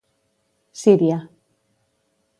Síria.